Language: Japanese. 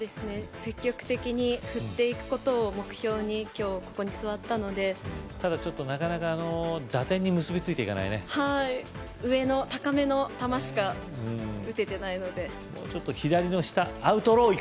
積極的に振っていくことを目標に今日ここに座ったのでただちょっとなかなか打点に結び付いていかないね上の高めの球しか打ててないのでちょっと左の下アウトローい